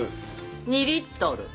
２リットル。